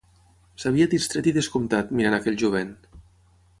S'havia distret i descomptat, mirant aquell jovent